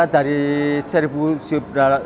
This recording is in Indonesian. dari seribu jub